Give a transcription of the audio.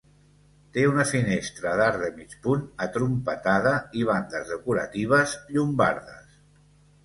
Té una finestra d'arc de mig punt atrompetada i bandes decoratives llombardes.